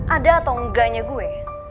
ada atau enggaknya gue